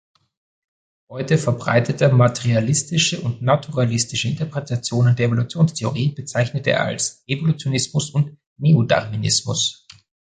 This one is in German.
Heute verbreitete materialistische und naturalistische Interpretationen der Evolutionstheorie bezeichnete er als „Evolutionismus“ und „Neodarwinismus“.